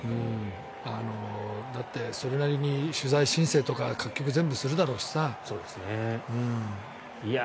だって、それなりに取材申請とか各局全部するだろうしさ。